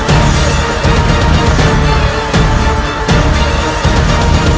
kamu tidak akan bisa mengambil kujang besar kain